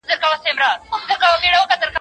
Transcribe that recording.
شپه تیاره وه ژر نیهام ځانته تنها سو